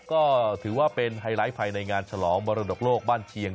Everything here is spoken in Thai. ก็ถือว่าเป็นไฮไลท์ภายในงานฉลองมรดกโลกบ้านเชียง